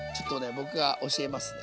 僕が教えますね。